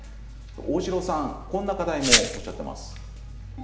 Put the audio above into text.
大城さんはこんな課題もおっしゃっています。